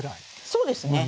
そうですね。